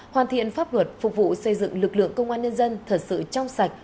hoàn thiện pháp luật phục vụ xây dựng lực lượng công an nhân dân thật sự trong sạch